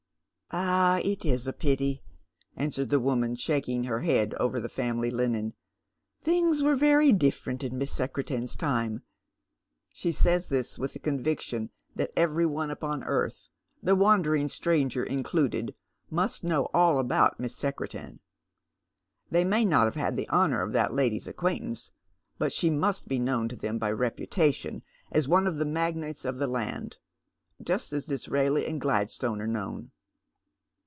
*' Ah, it is a pity," answers the woman, shaking her head ovei Ihe family Unen. " Things was very different in Miss Secretan's time." She says this with the conviction that every one upon earth — ^the wandering stranger included — must know all about Miss Secretan. They may not have had the honour of that lady's acquaintance, but she must be known to them by reputation as one of the magnates of the land, just as Disraeli and Gladstone are known.